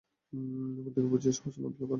এখন থেকে বুঝি এই-সমস্ত মতলব আঁটা হচ্ছে।